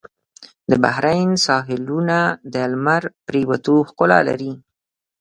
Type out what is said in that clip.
د بحرین ساحلونه د لمر پرېوتو ښکلا لري.